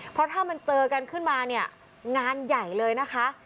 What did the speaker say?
เพราะถ้ามันเจอกันขึ้นมาเนี่ยงานใหญ่เลยนะคะ